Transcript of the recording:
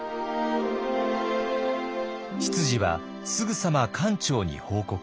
執事はすぐさま管長に報告。